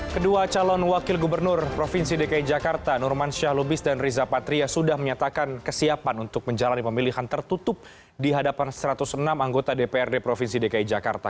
kedua calon wakil gubernur provinsi dki jakarta nurman syahlubis dan riza patria sudah menyatakan kesiapan untuk menjalani pemilihan tertutup di hadapan satu ratus enam anggota dprd provinsi dki jakarta